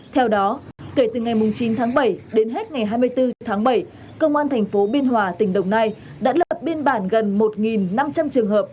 theo đó kể từ ngày chín tháng bảy đến hết ngày hai mươi bốn tháng bảy công an tp biên hòa tỉnh đồng nai đã lập biên bản gần một năm trăm linh trường hợp